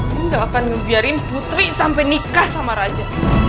gue gak akan ngebiarin putri sampai nikah sama raja